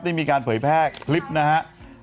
นี่มีการเผยแพร่คลิปนะฮะ